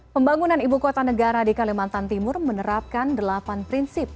pembangunan ibu kota negara di kalimantan timur menerapkan delapan prinsip